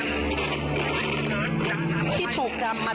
ทุกความเจ็บปวดชัดมาก